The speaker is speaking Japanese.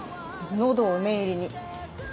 喉を念入りに。